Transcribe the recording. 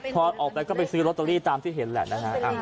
พอออกไปก็ไปซื้อตามที่เห็นแหละนะฮะ